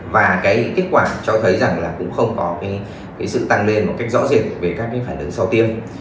và cái kết quả cho thấy rằng là cũng không có cái sự tăng lên một cách rõ rệt về các cái phản ứng sau tiêm